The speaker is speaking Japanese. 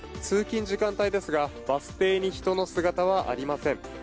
通勤時間帯ですが、バス停に人の姿はありません。